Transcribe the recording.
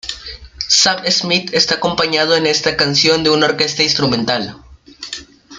Sam Smith está acompañado en esta canción de una orquesta instrumental.